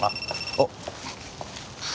あっ。